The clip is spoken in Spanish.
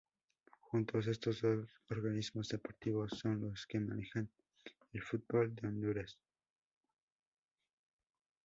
Juntos; estos dos organismos deportivos son los que manejan el fútbol de Honduras.